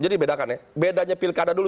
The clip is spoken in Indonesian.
jadi bedakan ya bedanya pilkada dulu